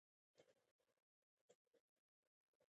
د خلکو ګډون د تصمیم نیولو کیفیت لوړوي